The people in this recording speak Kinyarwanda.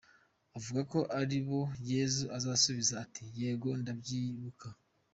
Avuga ko ari bo Yezu azasubiza ati “"Yego ndabyibuka.